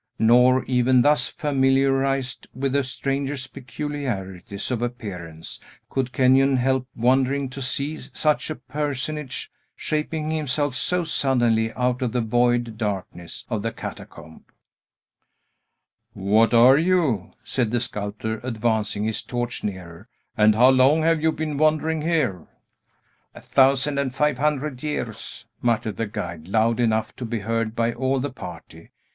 Nor, even thus familiarized with the stranger's peculiarities of appearance, could Kenyon help wondering to see such a personage, shaping himself so suddenly out of the void darkness of the catacomb. "What are you?" said the sculptor, advancing his torch nearer. "And how long have you been wandering here?" "A thousand and five hundred years!" muttered the guide, loud enough to be heard by all the party.